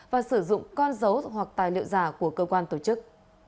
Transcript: và sử dụng con dấu hoặc tài liệu giả của cơ quan tổ chức